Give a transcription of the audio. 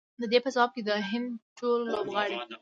د دې په ځواب کې د هند ټول لوبغاړي